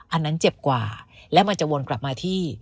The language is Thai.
อันนั้นเจ็บกว่าและมันจะวนกลับมาที่